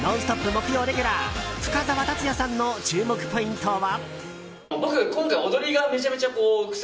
木曜レギュラー深澤辰哉さんの注目ポイントは？